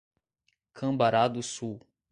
Cambará do Sul